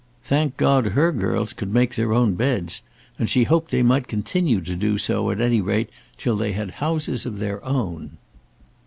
Thank God her girls could make their own beds, and she hoped they might continue to do so at any rate till they had houses of their own.